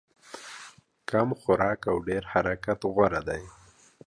کم خوراک او ډېر حرکت غوره دی.